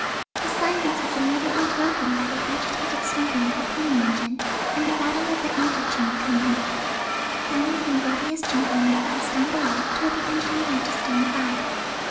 The silence was immediately broken by the agitated snorting of a pony engine, and the rattle of the anchor chain coming up. Then the melodious jingling of bells down below told the engineer to "stand by."